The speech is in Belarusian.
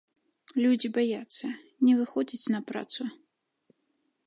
Людзі баяцца, не выходзяць на працу.